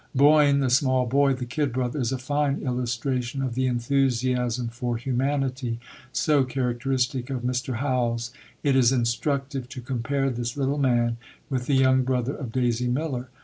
Boyne, the small boy, the "kid brother," is a fine illustration of the enthusiasm for humanity so characteristic of Mr. Howells. It is instructive to compare this little man with the young brother of Daisy Miller.